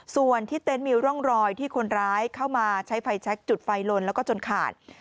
ส่วนที่เต็นต์มีร่องรอยที่คนร้ายเข้ามาใช้ไฟแชคจุดไฟลนแล้วก็จนขาด